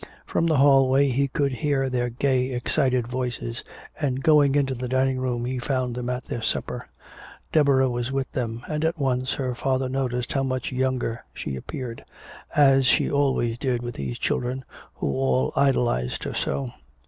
From the hallway he could hear their gay excited voices, and going into the dining room he found them at their supper. Deborah was with them, and at once her father noticed how much younger she appeared as she always did with these children who all idolized her so.